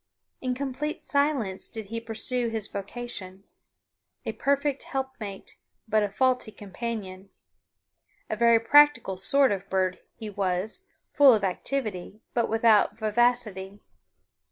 In complete silence did he pursue his vocation. A perfect helpmate, but a faulty companion. A very practical sort of bird he was, full of activity, but without vivacity.